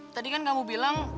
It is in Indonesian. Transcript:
tadi kan kamu bilang